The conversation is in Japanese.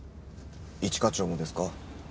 一課長もですか？